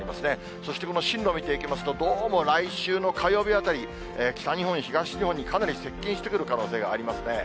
そしてこの進路を見ていきますと、どうも来週の火曜日あたり、北日本、東日本にかなり接近してくる可能性がありますね。